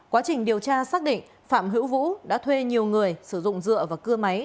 quá trình điều tra xác định phạm hữu vũ đã thuê nhiều người sử dụng dựa vào cưa máy